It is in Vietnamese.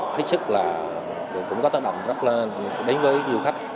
thích sức là cũng có tác động rất là đáng với du khách